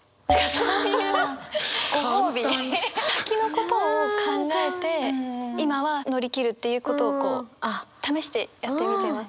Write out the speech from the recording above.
そういうご褒美先のことを考えて今は乗り切るっていうことを試してやってみては。